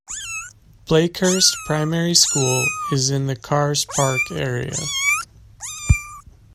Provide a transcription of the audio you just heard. Blakehurst Primary School is in the Carss Park area.